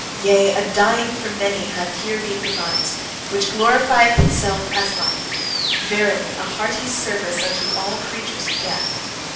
Yea, a dying for many hath here been devised, which glorifieth itself as life: verily, a hearty service unto all preachers of death!